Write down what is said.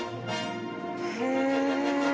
へえ。